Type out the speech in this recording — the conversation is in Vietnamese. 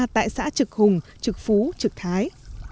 tại xã trực hùng trực phú trực thái